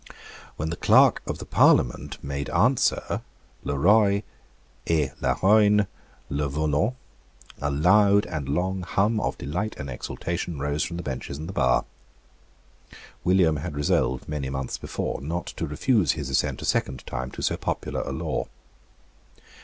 When the Clerk of the Parliament made answer, "Le roy et la royne le veulent," a loud and long hum of delight and exultation rose from the benches and the bar. William had resolved many months before not to refuse his assent a second time to so popular a law.